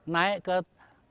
naik ke paras diok